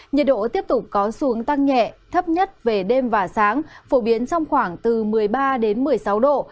nhiệt độ tiếp tục có xu hướng tăng nhẹ thấp nhất về đêm và sáng phổ biến trong khoảng từ một mươi ba một mươi sáu độ